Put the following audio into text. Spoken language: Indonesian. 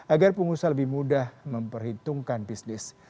agar pengusaha lebih mudah memperhitungkan bisnis